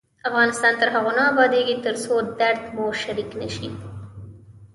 افغانستان تر هغو نه ابادیږي، ترڅو درد مو شریک نشي.